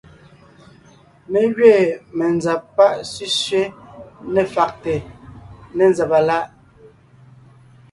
Mé gẅiin menzab pá sẅísẅé ne fàgte ne nzàba láʼ.